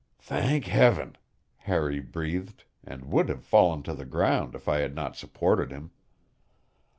"Thank Heaven!" Harry breathed, and would have fallen to the ground if I had not supported him.